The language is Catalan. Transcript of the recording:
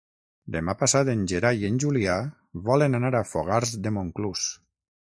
Demà passat en Gerai i en Julià volen anar a Fogars de Montclús.